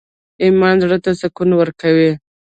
ایمان زړه ته سکون ورکوي